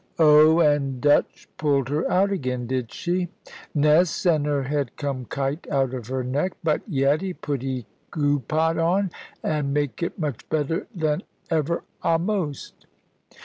"Oh, and Dutch pulled her out again, did she?" "Ness, and her head come kite out of her neck. But Yatty put 'e guepot on, and make it much better than ever a'most."